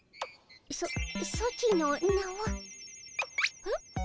ソソチの名は？え？